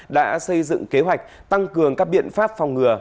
đã xây dựng kế hoạch tăng cường các biện pháp phòng ngừa